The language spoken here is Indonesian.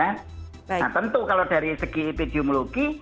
nah tentu kalau dari segi epidemiologi